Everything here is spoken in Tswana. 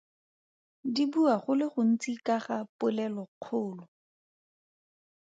Di bua go le gontsi ka ga polelokgolo.